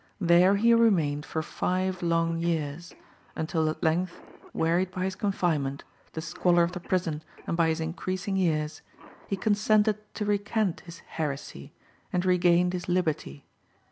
There he remained for five long years; until at length, wearied by his confinement, the squalor of the prison, and by his increasing years, he consented to recant his "heresy," and regained his liberty.